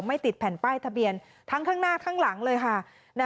ไม่ติดแผ่นป้ายทะเบียนทั้งข้างหน้าข้างหลังเลยค่ะ